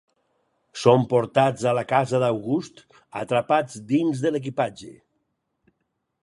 Són portats a la casa d'August, atrapats dins de l'equipatge.